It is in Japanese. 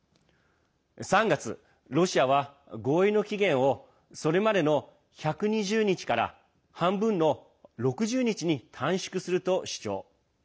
３月、ロシアは合意の期限をそれまでの１２０日から半分の６０日に短縮すると主張。